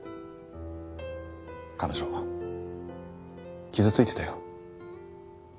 彼女傷ついてたよ。